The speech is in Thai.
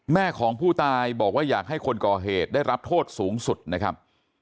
แม่ของผู้ตายบอกว่าอยากให้คนก่อเหตุได้รับโทษสูงสุดนะครับ